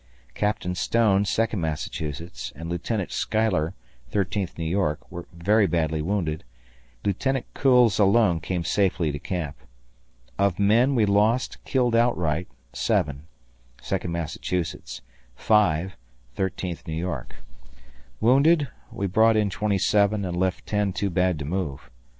Captain Stone, Second Massachusetts, and Lieutenant Schuyler, Thirteenth New York, very badly wounded. Lieutenant Kuhls alone came safely to camp. Of men, we lost, killed outright, 7, Second Massachusetts; 5, Thirteenth New York: wounded, we brought in 27 and left 10 too bad to move.